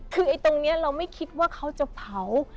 คือตรงนี้เราไม่คิดว่าเขาจะเผา